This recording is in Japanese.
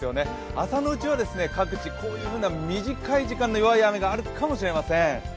朝のうちは各地、こういう短い時間の弱い雨があるかもしれません。